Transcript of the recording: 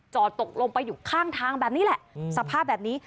ตกลงไปอยู่ข้างทางแบบนี้แหละสภาพแบบนี้